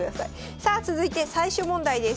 さあ続いて最終問題です。